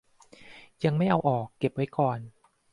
ยังไม่เอาออก เก็บไว้ก่อน